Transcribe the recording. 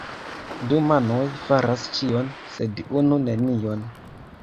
Du manoj faras ĉion, sed unu nenion.